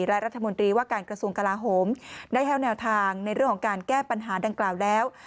และรัฐมนตรีว่าการกระทรวงกลาโหมได้แห้วแนวทางในเรื่องของการแก้ปัญหาดังกล่าวแล้ว